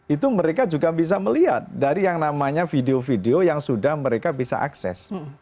itu mereka juga bisa melihat dari yang namanya video video yang sudah mereka bisa akses